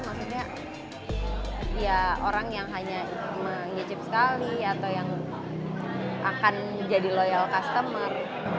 maksudnya ya orang yang hanya mengecip sekali atau yang akan jadi loyal customer